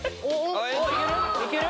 ・いける？